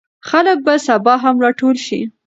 خلک به سبا هم راټول شي.